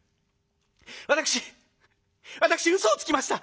私私うそをつきました。